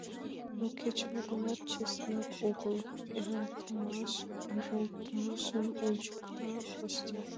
— Но кеч-мо-гынат, честно огыл, — иралтмыжым ончыкта Костя.